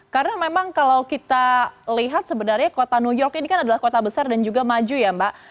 karena memang kalau kita lihat sebenarnya kota new york ini kan adalah kota besar dan juga maju ya mbak